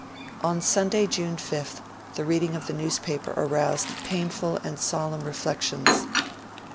On Sunday, June 5th, the reading of the newspaper aroused 'painful and solemn' reflections